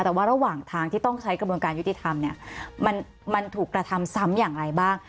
แต่ว่าระหว่างทางที่ต้องใช้กระบวนการยุติธรรมเนี่ยมันถูกกระทำซ้ำอย่างไรบ้าง